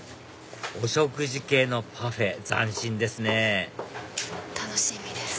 お食事系のパフェ斬新ですね楽しみです。